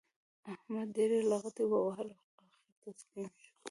احمد ډېرې لغتې ووهلې؛ خو اخېر تسلیم شو.